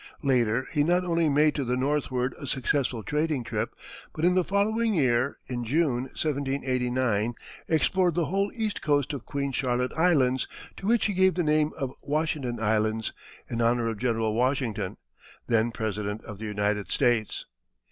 Later he not only made to the northward a successful trading trip, but in the following year, in June, 1789, explored the whole east coast of Queen Charlotte Islands, to which he gave the name of Washington Islands, in honor of General Washington, then President of the United States.